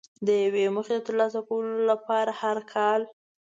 د یوې موخې د ترلاسه کولو لپاره هر کال.